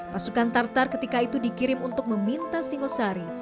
pasukan tartar ketika itu dikirim untuk meminta singosari